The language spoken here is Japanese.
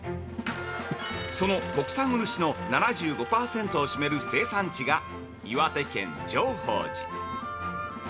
その国産漆の７５％を占める生産地が岩手県浄法寺。